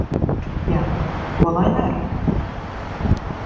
Jā. Ko lai dara?